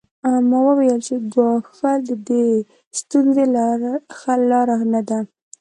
ما وویل چې ګواښل د دې ستونزې حل لاره نه ده